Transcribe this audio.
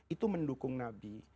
itu mendukung nabi